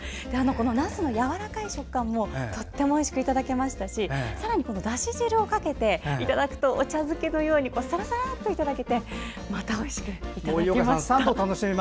なすのやわらかい食感もおいしくいただけましたしだし汁をかけていただくと、お茶漬けのようにさらさらといただけてまた違っておいしくいただけました。